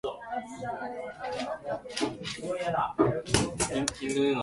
自分に優しく人にはもっと優しく